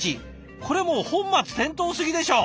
これもう本末転倒すぎでしょ！